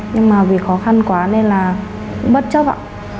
nhưng mà vì khó khăn quá nên là cũng bất chấp ạ